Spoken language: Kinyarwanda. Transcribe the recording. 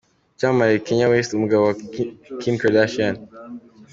Icyamamare Kanye West umugabo wa Kim Kardashian.